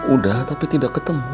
udah tapi tidak ketemu